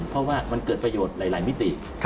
เพราะว่ามันเกิดประโยชน์หลายมิติ